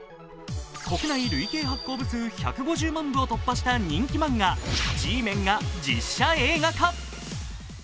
国内累計発行部数１５０万部を突破した人気漫画、「Ｇメン」が実写映画化。